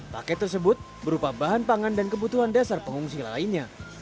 paket tersebut berupa bahan pangan dan kebutuhan dasar pengungsi lainnya